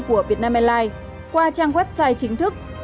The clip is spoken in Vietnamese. của việt nam airlines qua trang website chính thức